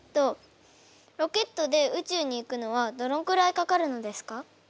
ロケットで宇宙に行くのはどのくらいかかるのですか？